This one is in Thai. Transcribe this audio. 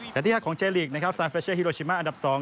แต่ที่๕ของเจลีกนะครับซานเฟชเช่ฮิโรชิมาอันดับ๒